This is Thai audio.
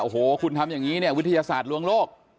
โอ้โหคุณทำอย่างนี้เนี่ยวิทยาศาสตร์ลวงโลก